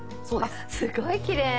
あっすごいきれい。